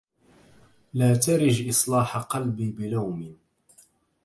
لا ترج اصلاح قلبي بلوم